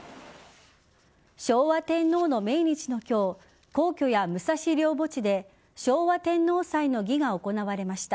昭和天皇の命日の今日皇居や武蔵陵墓地で昭和天皇祭の儀が行われました。